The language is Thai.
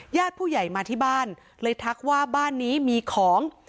ญาติผู้ใหญ่มาที่บ้านเลยทักว่าบ้านนี้มีของ